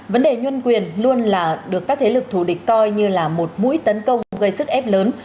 vấn đề nhân quyền luôn là được các thế lực thù địch coi như là một mũi tấn công gây sức ép lớn